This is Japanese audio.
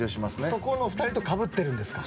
そこの２人とかぶってるんですか。